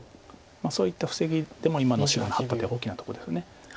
そういった布石でも今の白のハッた手は大きなとこです。